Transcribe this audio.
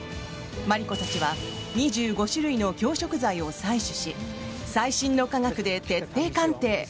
マリコたちは２５種類の京食材を採取し最新の科学で徹底鑑定！